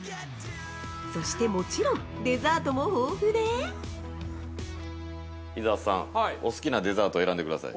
そしてもちろん、デザートも豊富で◆伊沢さん、お好きなデザートを選んでください。